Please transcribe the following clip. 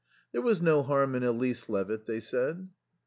"There was no harm in Elise Levitt," they said.